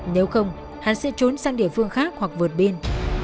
nếu không hán sẽ trốn sang địa phương khác hoặc vượt biên